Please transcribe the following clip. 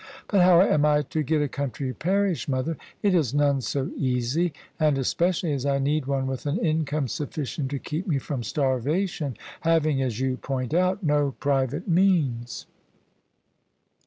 " But how am I to get a country parish, mother? It is none so easy. And especially as I need one with an income sufficient to keep me from starvation, having — ^as you point out — ^no private means."